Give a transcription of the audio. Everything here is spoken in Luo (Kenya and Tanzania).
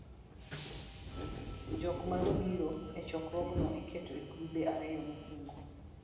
jokmanobiro e chokruogego iketo e grube ariyo: mokuongo